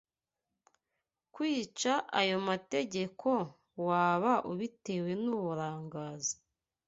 Kwica ayo mategeko, waba ubitewe n’uburangazi